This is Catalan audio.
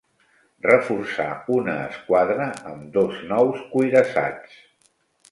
Reforçar una esquadra amb dos nous cuirassats.